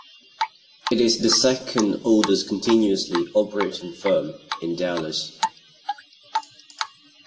It is the second oldest continuously operating firm in Dallas.